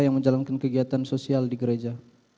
yang menjalankan kegiatan sosial di gereja